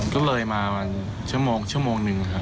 ก็เลยมาวันชั่วโมงชั่วโมงนึงครับ